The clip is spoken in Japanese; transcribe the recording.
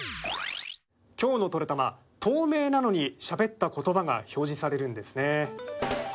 きょうの「トレたま」、透明なのにしゃべったことばが表示されるんですね。